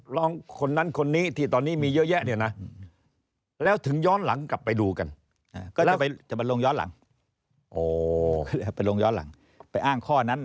ลองคนนั้นคนนี้ที่ตอนนี้มีเยอะแยะนี่นะแล้วถึงย้อนหลังกลับไปดูกัน